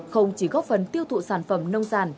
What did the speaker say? không chỉ góp phần tiêu thụ sản phẩm nông sản